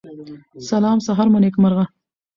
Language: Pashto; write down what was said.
سلام سهار مو نیکمرغه